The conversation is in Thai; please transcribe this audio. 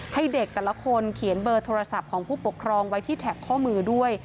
ให้เด็กแต่ละคนเขียนเบอร์โทรศัพท์ของผู้ปกครองไว้ที่แท็กข้อมือด้วย